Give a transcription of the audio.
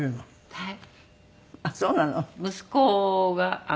はい。